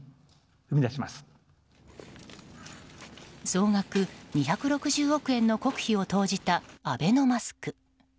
総額２６０億円の国費を投じたアベノマスク。